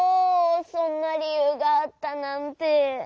そんなりゆうがあったなんて。